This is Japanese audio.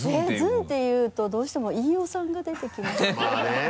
「ずん」っていうとどうしても飯尾さんが出てきますまぁね。